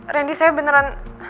randy saya beneran